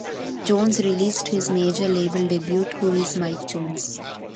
Jones released his major label debut, Who Is Mike Jones?